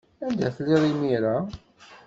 Anda telliḍ imir-a?